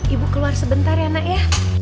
ibu keluar sebentar ya nak ya